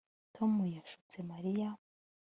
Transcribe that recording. Tom yashutse Mariya